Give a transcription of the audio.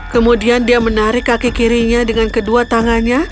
kemudian dia menarik kaki kirinya dengan kedua tangannya